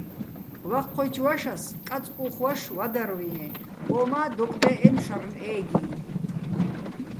ვაჴჴუჲჩო̆ ვაშას კაწკუხ ვაშო̆ ვადარვიეჼ, ო მა́ დოკდე́ჸენო̆ შარნ ე́გიჼ.